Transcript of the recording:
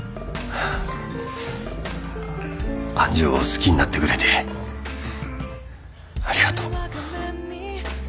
愛珠を好きになってくれてありがとう。